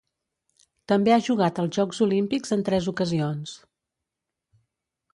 També ha jugat els Jocs Olímpics en tres ocasions.